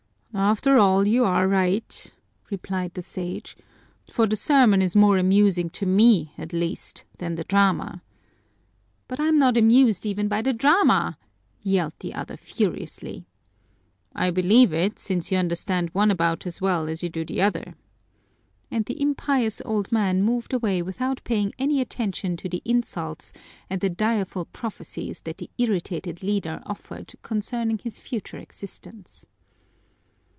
"After all, you're right," replied the Sage, "for the sermon is more amusing to me at least than the drama." "But I am not amused even by the drama!" yelled the other furiously. "I believe it, since you understand one about as well as you do the other!" And the impious old man moved away without paying any attention to the insults and the direful prophecies that the irritated leader offered concerning his future existence.